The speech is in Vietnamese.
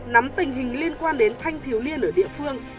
nắm tình hình liên quan đến thanh thiếu niên ở địa phương